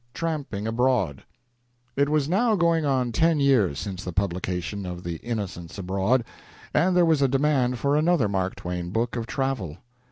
TRAMPING ABROAD It was now going on ten years since the publication of "The Innocents Abroad," and there was a demand for another Mark Twain book of travel.